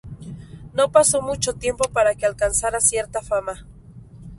No pasó mucho tiempo para que alcanzara cierta fama.